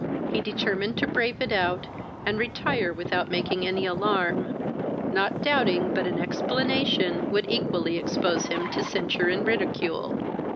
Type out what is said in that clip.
He determined to brave it out, and retire without making any alarm, not doubting but an explanation would equally expose him to censure and ridicule.